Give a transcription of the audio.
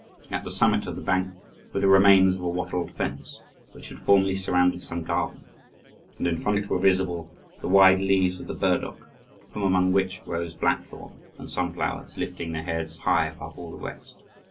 At the summit of the bank were the remains of a wattled fence, which had formerly surrounded some garden, and in front of it were visible the wide leaves of the burdock, from among which rose blackthorn, and sunflowers lifting their heads high above all the rest.